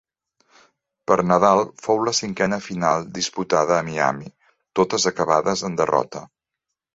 Per Nadal fou la cinquena final disputada a Miami, totes acabades en derrota.